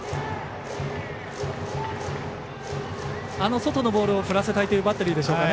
外のボールを振らせたいというバッテリーでしょうかね。